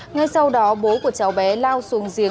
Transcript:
ngay sau đó bố của cháu bé lao xuống giếng